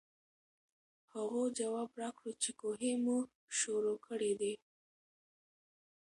هغو جواب راکړو چې کوهے مو شورو کړے دے ـ